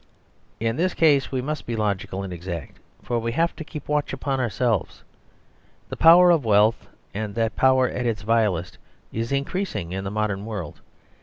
In this case we must be logical and exact; for we have to keep watch upon ourselves. The power of wealth, and that power at its vilest, is increasing in the modern world.